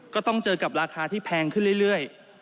ก็ต้องเจอกับราคาที่แพงขึ้นเรื่อย